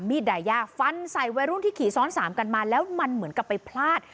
ดายาฟันใส่วัยรุ่นที่ขี่ซ้อนสามกันมาแล้วมันเหมือนกับไปพลาด